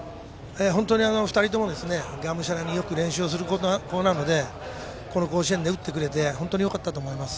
本当に２人ともがむしゃらによく練習をする子なのでこの甲子園で打ってくれて本当によかったと思います。